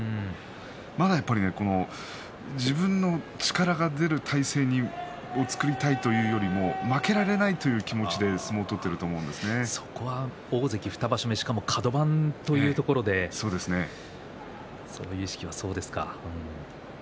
まだやっぱり、自分の力が出る体勢を作りたいというよりも負けられないという気持ちでそれは大関２場所目しかもカド番というところでその意識はあるでしょうね。